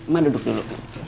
mak duduk dulu